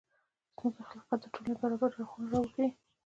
• زموږ اخلاقیات د ټولنې برابر اړخونه راوښيي.